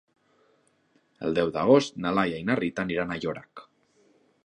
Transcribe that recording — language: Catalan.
El deu d'agost na Laia i na Rita aniran a Llorac.